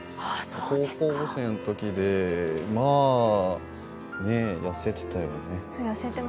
高校生の時で、まあ痩せてたよね。